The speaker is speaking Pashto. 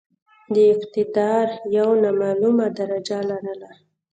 د اقتدار یو نامعموله درجه لرله.